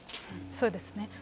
そうですね。